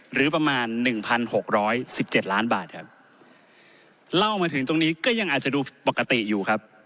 หรือประมาณ๑๖๑๗ล้านบาทครับเล่ามาถึงตรงนี้ก็ยังอาจจะดูปกติอยู่ครับ